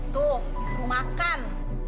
tuh disuruh makan